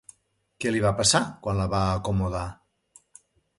Què li va passar quan la va acomodar?